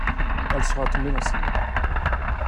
Elle sera tombée dans ses mains.